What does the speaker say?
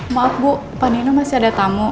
maaf bu pak nino masih ada tamu